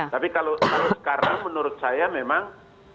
tapi kalau sekarang menurut saya memang